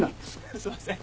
すいません。